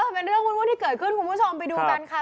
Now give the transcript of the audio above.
เป็นเรื่องวุ่นที่เกิดขึ้นคุณผู้ชมไปดูกันค่ะ